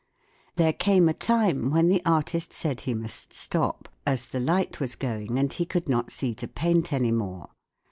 There came a time when the artist said he must stop, as the light was going and he could not see to paint any more.